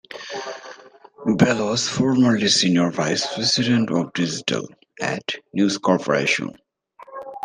Bell was formerly Senior Vice President of Digital at News Corporation.